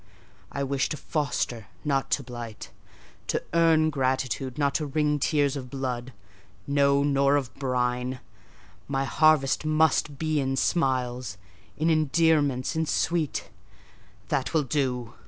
I wish to foster, not to blight—to earn gratitude, not to wring tears of blood—no, nor of brine: my harvest must be in smiles, in endearments, in sweet—That will do.